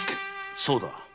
そうだ。